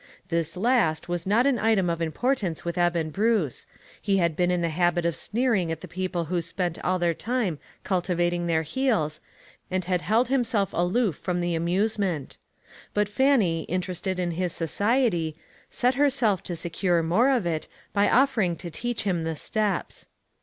This last was not an item of impor tance with Eben Bruce ; he had been in the habit of sneering at the people who spent all their time cultivating their heels, and had held himself aloof from the amuse ment. But Fannie, interested in his society, set herself to secure more of it by offering to teach him the steps.